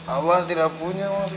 abah tidak punya mas